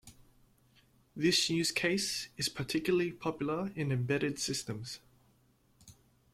This use case is particularly popular in embedded systems.